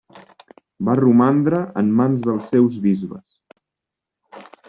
Va romandre en mans dels seus bisbes.